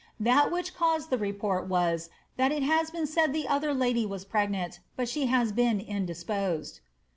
That which caus^ the report was, that it has been said the other lady was pregnant, but she has been indisposed.''